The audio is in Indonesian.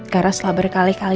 gara gara setelah berkali kali